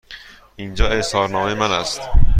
اینجا اظهارنامه من است.